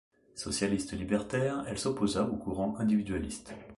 Socialiste libertaire, elle s'opposa au courant individualiste.